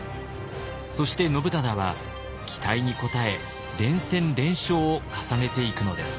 そして信忠は期待に応え連戦連勝を重ねていくのです。